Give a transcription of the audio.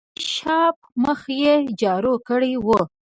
د کافي شاپ مخ یې جارو کړی و.